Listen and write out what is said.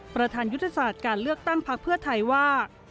ประธานยุทธศาสตร์การเลือกตั้งพักเพื่อไทยว่า